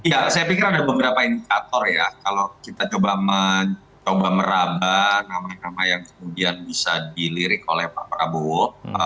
ya saya pikir ada beberapa indikator ya kalau kita coba mencoba meraba nama nama yang kemudian bisa dilirik oleh pak prabowo